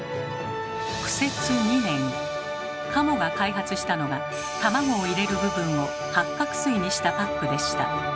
苦節２年加茂が開発したのが卵を入れる部分を八角すいにしたパックでした。